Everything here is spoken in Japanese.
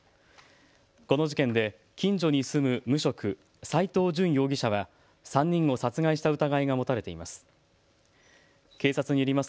この事件で近所に住む無職、斎藤淳容疑者は３人を殺害した疑いが持たれています。